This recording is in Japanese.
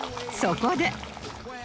そこで